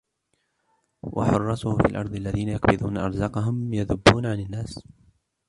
وَحُرَّاسُهُ فِي الْأَرْضِ الَّذِينَ يَقْبِضُونَ أَرْزَاقَهُمْ يَذُبُّونَ عَنْ النَّاسِ